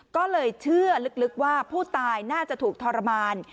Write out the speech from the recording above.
ก็เลยเชื่อลึกว่าผู้ตายน่าจะถูกทรมาน